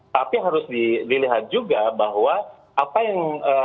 tapi harus dilihat juga bahwa apa yang